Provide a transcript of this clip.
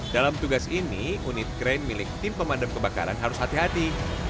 dalam tugas ini unit krain milik tim pemadam kebakaran harus hati hati